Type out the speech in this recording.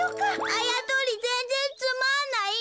あやとりぜんぜんつまんない！